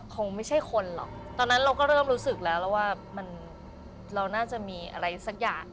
คงไม่ใช่คนหรอกตอนนั้นเราก็เริ่มรู้สึกแล้วแล้วว่ามันเราน่าจะมีอะไรสักอย่าง